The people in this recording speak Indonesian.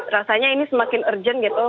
rasanya ini semakin urgent gitu